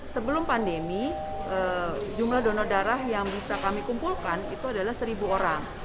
sebelum pandemi jumlah donor darah yang bisa kami kumpulkan itu adalah seribu orang